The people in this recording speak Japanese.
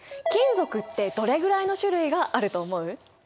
金属ってどれぐらいの種類があると思う？